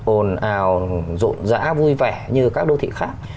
ồn ào rộn rã vui vẻ như các đô thị khác